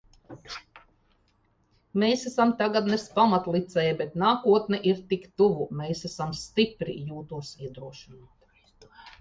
Mēs esam tagadnes pamatlicēji, bet nākotne ir tik tuvu. Mēs esam stipri. Jūtos iedrošināta.